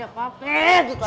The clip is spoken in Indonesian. gak ada apa apa